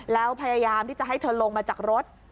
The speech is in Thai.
แล้วพยายามที่จะให้เธอลงมาจากรถ